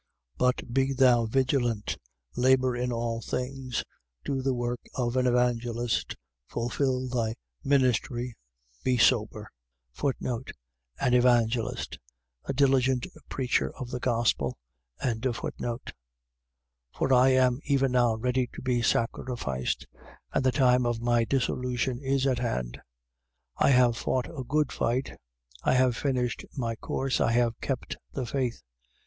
4:5. But be thou vigilant, labour in all things, do the work of an evangelist, fulfil thy ministry. Be sober. An evangelist. . .a diligent preacher of the gospel. 4:6. For I am even now ready to be sacrificed: and the time of my dissolution is at hand. 4:7. I have fought a good fight: I have finished my course: I have kept the faith.